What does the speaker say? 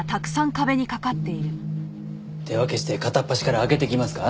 手分けして片っ端から開けていきますか？